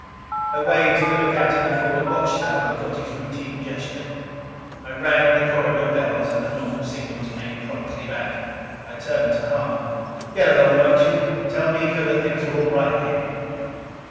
I waved to the lookout in the forward watch tower, and got his routine gesture. I rang the corridor bells, and the normal signals came promptly back. I turned to Hahn. "Get along, won't you? Tell Miko that things are all right here."